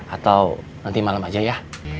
atau nanti malam aja ya